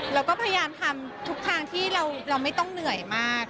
เราก็พยายามทำทุกทางที่เราไม่ต้องเหนื่อยมาก